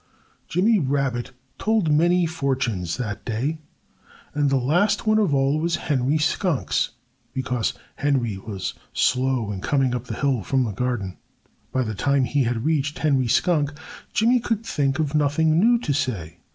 Jimmy Rabbit told many fortunes that day. And the last one of all was Henry Skunk's, because Henry was so slow in coming up the hill from the garden. By the time he had reached Henry Skunk, Jimmy could think of nothing new to say.